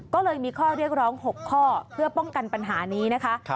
ก็เลยมีข้อเรียกร้อง๖ข้อเพื่อป้องกันปัญหานี้นะคะ